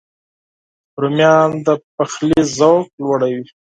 رومیان د پخلي ذوق لوړوي